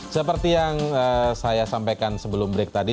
seperti yang saya sampaikan sebelum break tadi